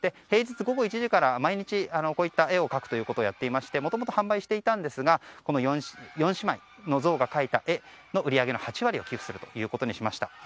平日午後１時から毎日こういった絵を描くことをやっていましてもともと販売していたんですが４姉妹のゾウが描いた絵の売り上げの８割を寄付するということにしました。